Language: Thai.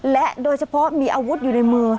และโดยเฉพาะมีอาวุธอยู่ในมือ